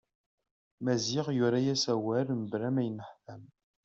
Maziɣ yura-as awal-a mebla ma yenneḥtam.